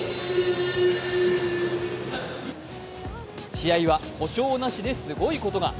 試合は誇張なしですごいことが。